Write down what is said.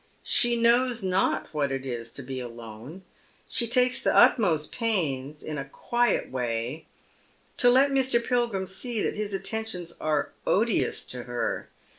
She knows not what it is to be alone. She takes the utmost pains, in a quiet waj , to let Mr. Pilgrim see that his attentions are odious to her.